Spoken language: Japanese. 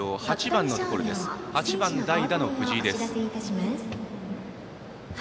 ８番のところ、代打の藤井です。